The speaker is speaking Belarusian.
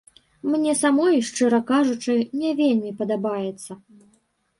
Мне самой, шчыра кажучы, не вельмі падабаецца.